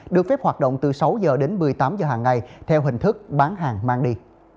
được phép hoạt động từ sáu h đến một mươi tám giờ hàng ngày theo hình thức bán hàng mang đi